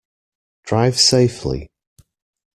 Drive safely!